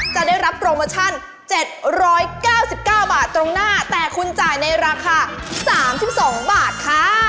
จะได้รับโปรโมชั่น๗๙๙บาทตรงหน้าแต่คุณจ่ายในราคา๓๒บาทค่ะ